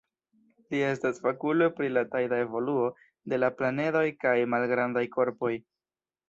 Li estas fakulo pri la tajda evoluo de la planedoj kaj malgrandaj korpoj.